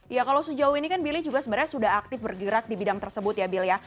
ya kalau sejauh ini kan billy juga sebenarnya sudah aktif bergerak di bidang tersebut ya bill ya